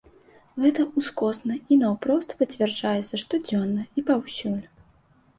Гэта ўскосна і наўпрост пацвярджаецца штодзённа і паўсюль.